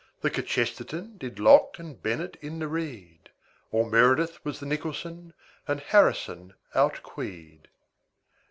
The kchesterton Did locke and bennett in the reed. All meredith was the nicholson, And harrison outqueed.